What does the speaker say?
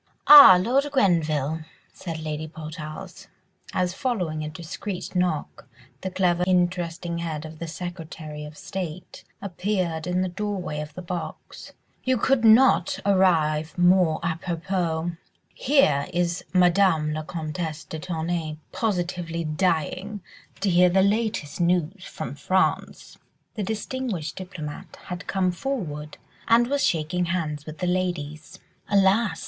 "Ah, Lord Grenville," said Lady Portarles, as following a discreet knock, the clever, interesting head of the Secretary of State appeared in the doorway of the box, "you could not arrive more à propos. Here is Madame la Comtesse de Tournay positively dying to hear the latest news from France." The distinguished diplomatist had come forward and was shaking hands with the ladies. "Alas!"